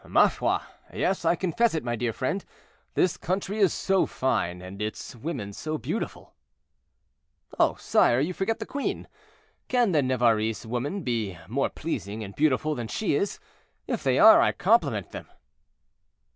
"Ma foi! yes; I confess it, my dear friend. This country is so fine, and its women so beautiful." "Oh! sire, you forget the queen; can the Navarrese women be more pleasing and beautiful than she is? If they are, I compliment them."